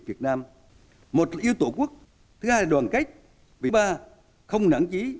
vì thứ ba không nặng chí